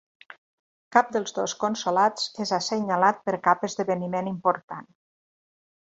Cap dels dos consolats és assenyalat per cap esdeveniment important.